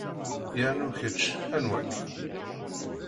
Yernu kečč anwa-k?